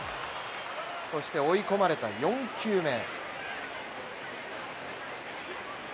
そして追い込まれた４球目。